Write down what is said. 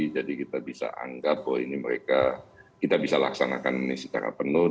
jadi kita bisa anggap bahwa ini mereka kita bisa laksanakan ini secara penuh